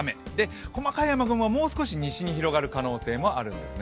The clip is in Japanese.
細かい雨雲はもう少し西に広がる可能性もあるんですね。